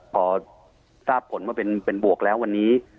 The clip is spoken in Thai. พอทราบผลว่าเป็นบวกแล้ววันนี้